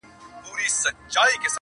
بدرګه را سره ستوري وړمه یاره،